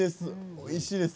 おいしいです。